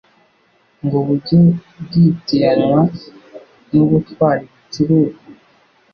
ngo bujye bwitiranywa n'ubutwara ibicuruzwa.